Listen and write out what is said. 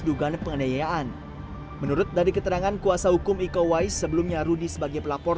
dugaan penganiayaan menurut dari keterangan kuasa hukum iko wais sebelumnya rudy sebagai pelapor